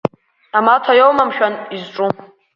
Амаҭа иоума мшәан узҿу?